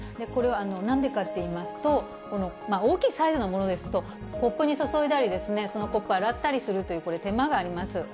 これはなんでかっていいますと、大きいサイズのものですと、コップに注いだり、そのコップ洗ったりするという、これ、手間があります。